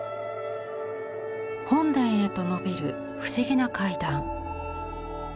本殿へとのびる不思議な階段。